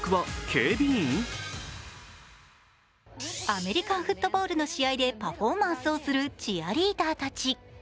アメリカンフットボールの試合でパフォーマンスをするチアリーダーたち。